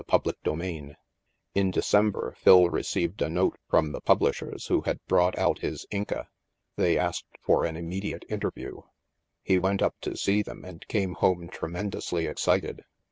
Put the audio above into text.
CHAPTER XI In December, Phil received a note from the pub lishers who had brought out his " Inca." They asked for an immediate interview. He went up to see them and came home tremen dously excited.